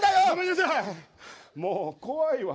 もう怖いわ。